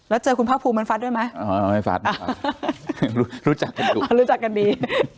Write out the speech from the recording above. แล้วเจอคุณภาพภูมิมันฟัดด้วยไหมอ๋อไม่ฟัดอ่ารู้จักรู้จักกันดี